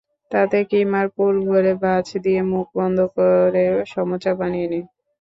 তাতে কিমার পুর ভরে ভাঁজ দিয়ে মুখ বন্ধ করে সমুচা বানিয়ে নিন।